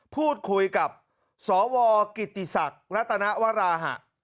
พูดคุยกับสวกิติศักดิ์รัตนวราหะ